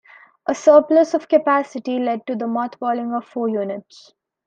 A surplus of capacity led to the mothballing of four units.